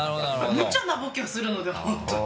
むちゃなボケをするので本当に。